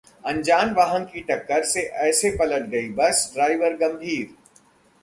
अनजान वाहन की टक्कर से ऐसे पलट गई बस, ड्राइवर गंभीर